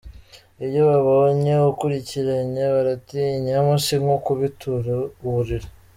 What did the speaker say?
iyo babonye ukurikiranye baratinyamo sinko kubitura uburiri.